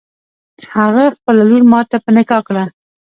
هغه خپله لور ماته په نکاح کړه.